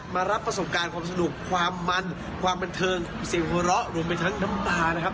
มารับประสบการณ์ความสนุกความมันความบันเทิงเสียงหัวเราะรวมไปทั้งน้ำตานะครับ